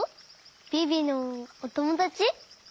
ビビのおともだち？